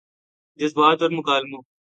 جذبات اور مکالموں